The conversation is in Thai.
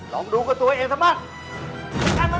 ลองดูกับตัวเองสมัคร